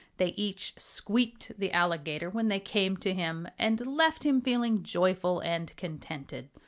They each squeaked the Alligator when they came to him, and left him feeling joyful and contented.